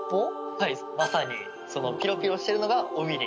はいまさにそのピロピロしてるのが尾びれ。